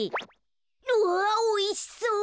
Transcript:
うわおいしそう！